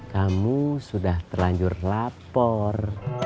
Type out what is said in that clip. kamu sudah terlanjur lapor